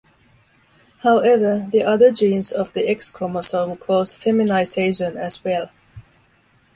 However, the other genes of the X chromosome cause feminization as well.